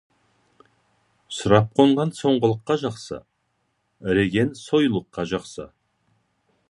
Сұрап қонған соңғылыққа жақсы, іреген союлыққа жақсы.